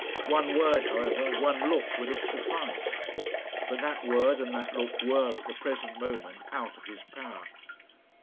One word, however, one look, would have sufficed. But that word and that look were, at the present moment, out of his power.